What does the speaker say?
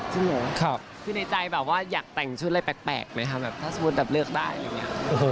คือในใจแบบว่าอยากแต่งชุดอะไรแปลกมั้ยฮะก็จะวิ่งแบบเลือกได้